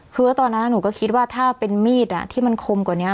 คือว่าตอนนั้นหนูก็คิดว่าถ้าเป็นมีดที่มันคมกว่านี้